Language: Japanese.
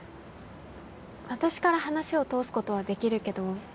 私から話を通すことはできるけど。